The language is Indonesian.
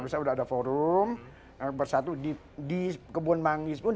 sudah ada forum bersatu di kebun mangis pun